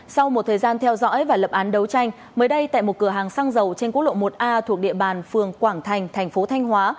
sau một thời gian theo dõi và lập án đấu tranh mới đây tại một cửa hàng xăng dầu trên quốc lộ một a thuộc địa bàn phường quảng thành thành phố thanh hóa